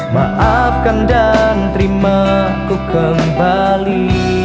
maafkan dan terima ku kembali